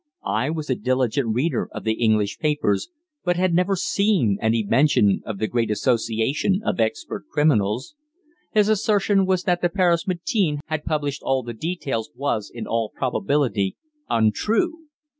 I was a diligent reader of the English papers, but had never seen any mention of the great association of expert criminals. His assertion that the Paris Matin had published all the details was, in all probability, untrue.